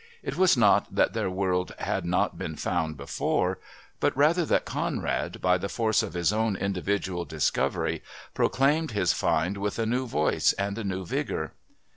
It was not that their world had not been found before, but rather that Conrad, by the force of his own individual discovery, proclaimed his find with a new voice and a new vigour.